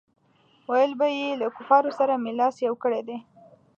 ویل به یې له کفارو سره مې لاس یو کړی دی.